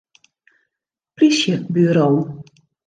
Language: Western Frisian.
Plysjeburo.